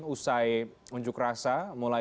usai unjuk rasa